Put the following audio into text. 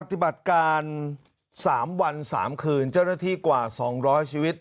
ปฏิบัติการ๓วัน๓คืนเจ้าหน้าที่กว่า๒๐๐ชีวิต